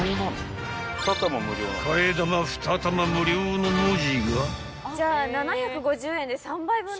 ［「替玉２玉無料」の文字が］